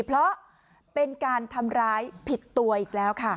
เพราะเป็นการทำร้ายผิดตัวอีกแล้วค่ะ